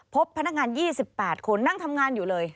พบพนักงาน๒๘คนนั่งทำงานอยู่เลย